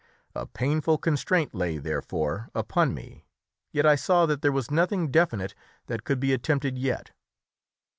A painful constraint lay, therefore, upon me, yet I saw that there was nothing definite that could be attempted yet.